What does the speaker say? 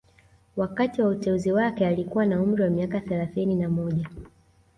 Wakati wa uteuzi wake alikuwa na umri wa miaka thelathini na moja